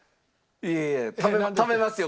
いやいやためますよ